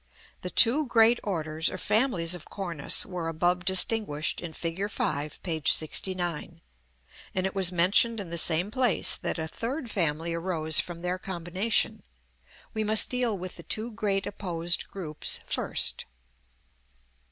The two great orders or families of cornice were above distinguished in Fig. V., p. 69.; and it was mentioned in the same place that a third family arose from their combination. We must deal with the two great opposed groups first.